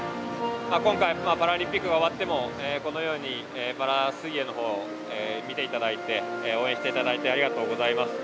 今回パラリンピックが終わってもこのようにパラ水泳の方を見て頂いて応援して頂いてありがとうございます。